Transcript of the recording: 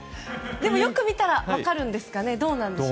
でも、よく見たら分かるんですかね。